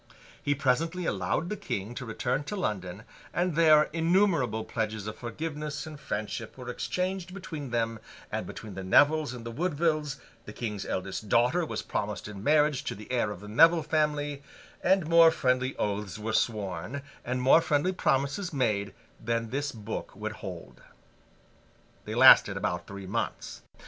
He presently allowed the King to return to London, and there innumerable pledges of forgiveness and friendship were exchanged between them, and between the Nevils and the Woodvilles; the King's eldest daughter was promised in marriage to the heir of the Nevil family; and more friendly oaths were sworn, and more friendly promises made, than this book would hold. They lasted about three months.